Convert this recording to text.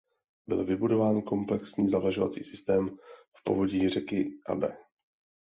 Byl vybudován kompletní zavlažovací systém v povodí řeky Abe.